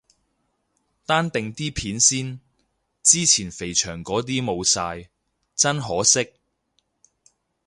單定啲片先，之前肥祥嗰啲冇晒，真可惜。